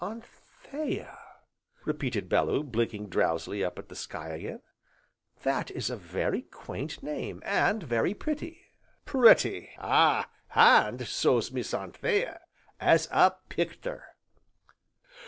"Anthea!" repeated Bellew, blinking drowsily up at the sky again, "that is a very quaint name, and very pretty." "Pretty, ah, an' so's Miss Anthea! as a pict'er."